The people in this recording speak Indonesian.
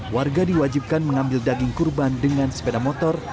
warga diwajibkan mengambil daging kurban dengan sepeda motor